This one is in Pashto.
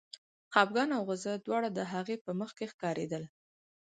خپګان او غوسه دواړه د هغه په مخ کې ښکارېدل